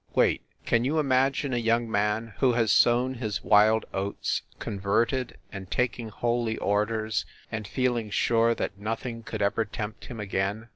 Wait! can you imagine a young man who has sown his wild oats, converted, and taking holy orders, and feeling sure that nothing could ever tempt him again?